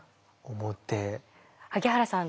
萩原さん